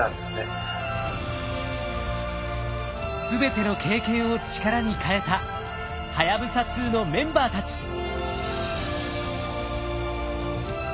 全ての経験を力に変えたはやぶさ２のメンバーたち。